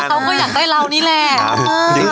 เขาก็อยากได้เรานี่แหละ